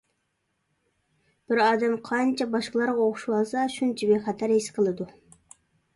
بىر ئادەم قانچە باشقىلارغا ئوخشىۋالسا شۇنچە بىخەتەر ھېس قىلىدۇ.